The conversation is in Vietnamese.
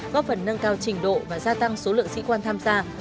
góp phần nâng cao trình độ và gia tăng số lượng sĩ quan tham gia